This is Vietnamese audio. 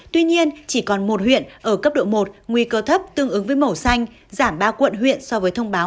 tuy nhiên chỉ còn một huyện ở cấp độ một nguy cơ thấp tương ứng với màu xanh giảm ba quận huyện so với thông báo